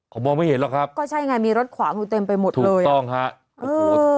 เขามองไม่เห็นหรอกครับก็ใช่ไงมีรถขวางอยู่เต็มไปหมดเลยถูกต้องฮะโอ้โห